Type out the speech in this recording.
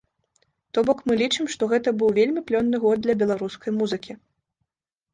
То бок, мы лічым, што гэта быў вельмі плённы год для беларускай музыкі.